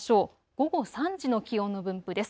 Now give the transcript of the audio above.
午後３時の気温の分布です。